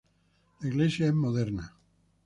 La iglesia es moderna.